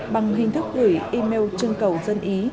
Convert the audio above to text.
bằng hình thức gửi email trưng cầu dân ý